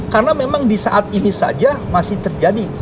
karena memang di saat ini saja masih terjadi